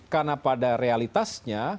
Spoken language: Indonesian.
karena pada realitasnya